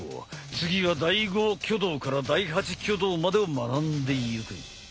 次は第５挙動から第８挙動までを学んでいく。